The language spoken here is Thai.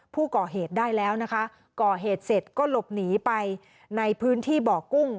ผู้ก่อเหตุได้แล้วนะคะก่อเหตุเสร็จก็หลบหนีไปในพื้นที่บ่อกุ้ง